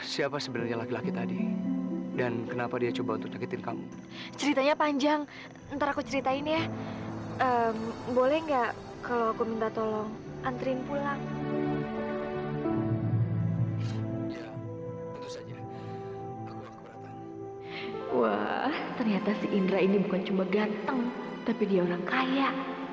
sampai jumpa di video selanjutnya